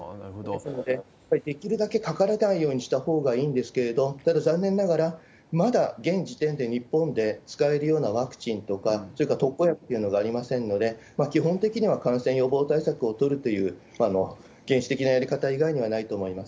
ですので、やっぱりできるだけかからないようにしたほうがいいんですけれども、ただ、残念ながら、まだ現時点で日本で使えるようなワクチンとか、それから特効薬というのがありませんので、基本的には感染予防対策を取るという、原始的なやり方以外にはないと思います。